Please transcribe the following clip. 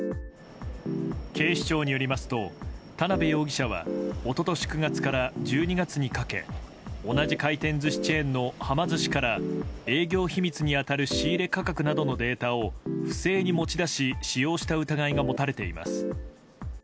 警視庁によりますと田辺容疑者は一昨年９月から１２月にかけ同じ回転寿司チェーンのはま寿司から営業秘密に当たる仕入れ価格などのデータを不正に持ち出し使用した疑いが持たれています。